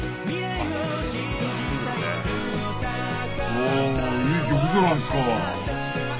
おおいい曲じゃないですか。